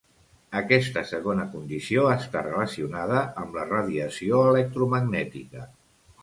Aquesta segona condició està relacionada amb la radiació electromagnètica.